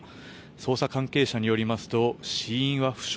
捜査関係者によりますと死因は不詳。